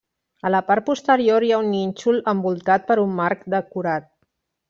A la part posterior hi ha un nínxol envoltat per un marc decorat.